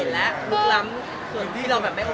ส่วนที่เราไม่โอเคแล้วอะไรอย่างนี้